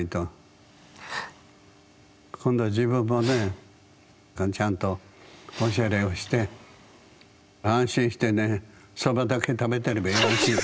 今度は自分もねちゃんとおしゃれをして安心してねそばだけ食べていればよろしい。